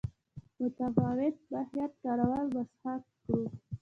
متفاوت ماهیت کارولو مسخه کړو.